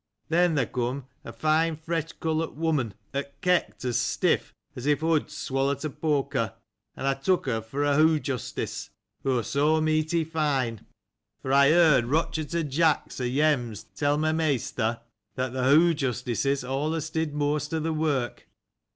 Then, there came a fine fresh coloured woman, that stood as stiff as if she had swallowed a poker ; and I took her for a she justice, she was so mighty fine : for I heard Eichard o' Jack's, o' Samuel's, tell my master, that, th' she justices^ always did most of the work.